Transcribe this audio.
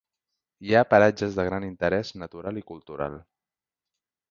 Hi ha paratges de gran interés natural i cultural.